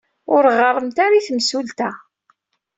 Ur ɣɣaremt ara i temsulta.